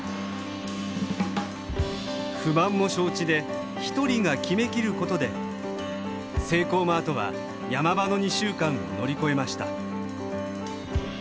不満も承知で１人が決めきることでセイコーマートは山場の２週間を乗り越えました。